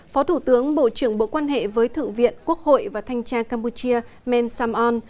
phó thủ tướng bộ trưởng bộ quan hệ với thượng viện quốc hội và thanh tra campuchia men sam on